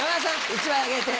１枚あげて。